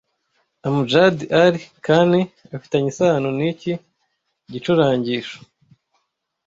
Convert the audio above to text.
Amjad Ali Khan afitanye isano niki gicurangisho